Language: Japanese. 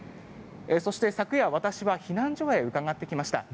そして昨夜、私は避難所へ伺ってきました。